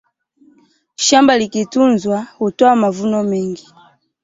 shamba likitunzwa hutoa mzvuno mengi